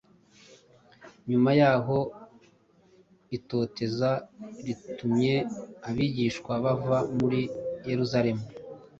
Nyuma y’aho itoteza ritumye abigishwa bava muri Yerusalemu,